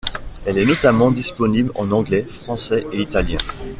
Elle est notamment disponible en anglais, français et italien.